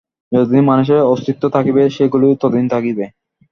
যতদিন মানুষের অস্তিত্ব থাকিবে, সেগুলিও ততদিন থাকিবে।